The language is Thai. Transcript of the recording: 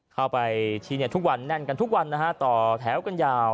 เข้าไปที่ทุกวันแน่นกันทุกวันนะฮะต่อแถวกันยาว